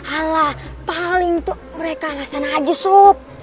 ala paling tuh mereka alasan aja sob